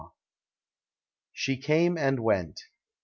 SUE CAME AND WENT.